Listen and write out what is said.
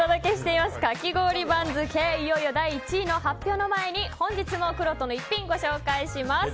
いよいよ第１位の発表の前に本日のくろうとの逸品ご紹介します。